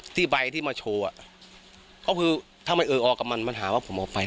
สติไบที่มาโชวะก็คือถ้ามันเอวเอากับมันมันหาว่าผมเอาไป